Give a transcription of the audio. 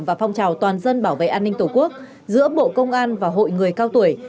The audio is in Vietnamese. và phong trào toàn dân bảo vệ an ninh tổ quốc giữa bộ công an và hội người cao tuổi